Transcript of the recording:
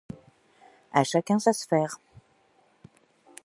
À chacun sa sphère.